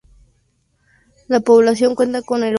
La población cuenta con aeropuerto.